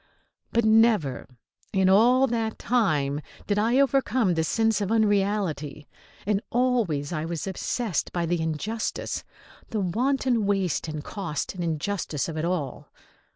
But never in all that time did I overcome the sense of unreality, and always I was obsessed by the injustice, the wanton waste and cost and injustice of it all.